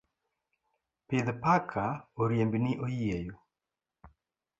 Pidh paka oriembni oyieyo.